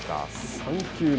３球目。